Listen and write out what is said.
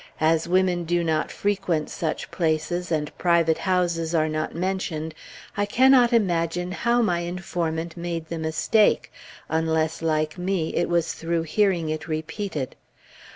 As women do not frequent such places, and private houses are not mentioned, I cannot imagine how my informant made the mistake, unless, like me, it was through hearing it repeated.